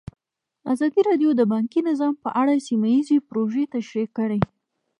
ازادي راډیو د بانکي نظام په اړه سیمه ییزې پروژې تشریح کړې.